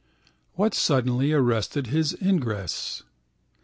What suddenly arrested his ingress?